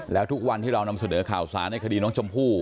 แล้วทุกวันที่เรานำเสนอข่าวสารในคดีน้องชมพู่